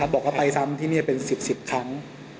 บอกว่าไปซ้ำที่นี่เป็น๑๐ครั้ง